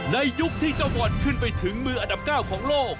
ยุคที่เจ้าบอลขึ้นไปถึงมืออันดับ๙ของโลก